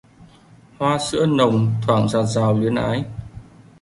Hoa sữa nồng thoảng dạt dào luyến ái